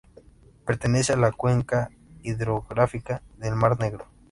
Pertenece a la cuenca hidrográfica del mar Negro.